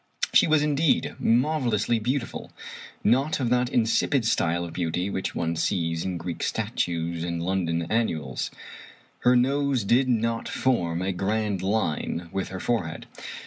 She was, indeed, marvelously beautiful. Not of that insipid style of beauty which one sees in Greek statues and London annuals. Her nose did not form a grand line with her forehead.